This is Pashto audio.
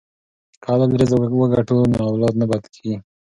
که حلال رزق وګټو نو اولاد نه بد کیږي.